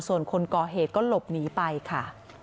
ส่วนคนก่อเหตุก็หลบหนีไปค่ะ